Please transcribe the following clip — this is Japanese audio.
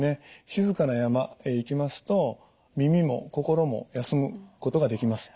静かな山へ行きますと耳も心も休むことができます。